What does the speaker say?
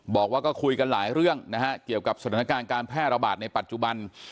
บอกว่าก็คุยกันหลายเรื่องนะฮะเกี่ยวกับสถานการณ์การแพร่ระบาดในปัจจุบัน